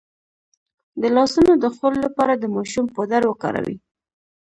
د لاسونو د خولې لپاره د ماشوم پوډر وکاروئ